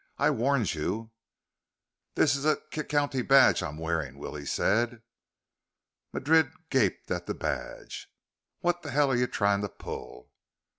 "I warned you." "This is a c c county badge I'm wearing," Willie said. Madrid gaped at the badge. "What the hell are you trying to pull?"